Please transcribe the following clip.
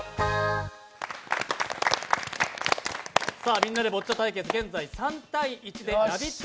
「みんなでボッチャ」対決、現在３−１でラヴィット！